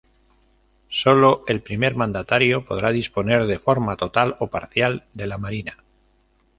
Solo el primer mandatario podrá disponer de forma total o parcial de la Marina.